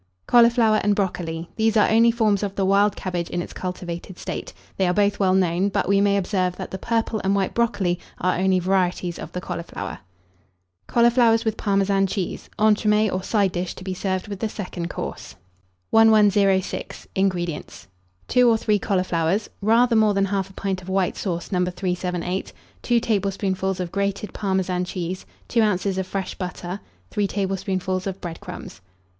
CAULIFLOWER AND BROCOLI. These are only forms of the wild Cabbage in its cultivated state. They are both well known; but we may observe, that the purple and white Brocoli are only varieties of the Cauliflower. CAULIFLOWERS WITH PARMESAN CHEESE. (Entremets, or Side dish, to be served with the Second Course.) 1106. INGREDIENTS. 2 or 3 cauliflowers, rather more than 1/2 pint of white sauce No. 378, 2 tablespoonfuls of grated Parmesan cheese, 2 oz. of fresh butter, 3 tablespoonfuls of bread crumbs.